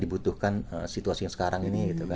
dibutuhkan situasi yang sekarang ini